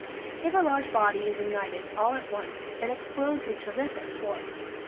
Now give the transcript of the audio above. If a large body is ignited all at once it explodes with terrific force.